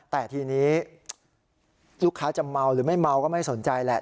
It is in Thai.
แต่ทีนี้ลูกค้าจะเมาหรือไม่เมาก็ไม่สนใจแหละ